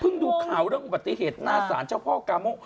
เพิ่งดูข่าวเรื่องปฏิเหตุหน้าสารเจ้าพ่อกรรม